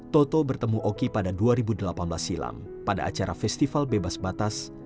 toto bertemu oki pada dua ribu delapan belas silam pada acara festival bebas batas